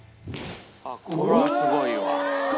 「これはすごいわ」